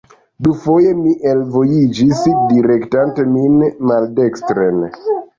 Dufoje mi elvojiĝis, direktante min maldekstren.